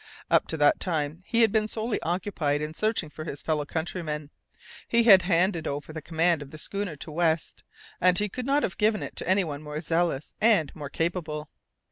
Up to that time he had been solely occupied in searching for his fellow countrymen; he had handed over the command of the schooner to West, and he could not have given it to anyone more zealous and more capable.